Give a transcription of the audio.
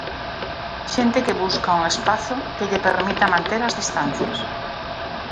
Xente que busca un espazo que lle permita manter as distancias.